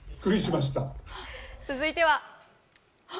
続いては。